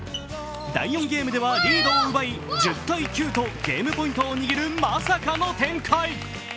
第４ゲームではリードを奪い、１０−９とゲームポイントを握るまさかの展開。